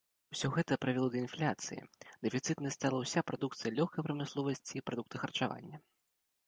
Усё гэта прывяло да інфляцыі, дэфіцытнай стала ўся прадукцыя лёгкай прамысловасці і прадукты харчавання.